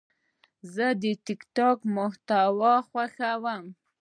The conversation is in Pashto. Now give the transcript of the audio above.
زه د ټک ټاک محتوا خوښوم.